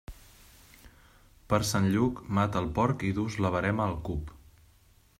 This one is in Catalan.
Per Sant Lluc, mata el porc i dus la verema al cup.